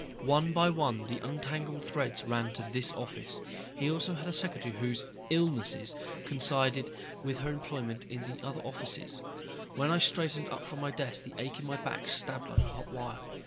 One by one the untangled threads ran to this office. He also had a secretary whose "illnesses" coincided with her employment in other offices. When I straightened up from my desk the ache in my back stabbed like a hot wire.